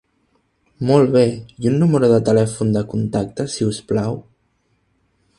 Molt bé, i un número de telèfon de contacte, si us plau?